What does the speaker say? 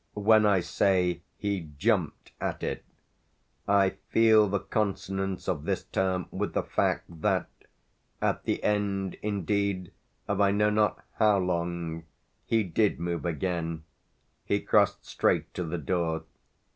When I say he "jumped" at it I feel the consonance of this term with the fact that at the end indeed of I know not how long he did move again, he crossed straight to the door.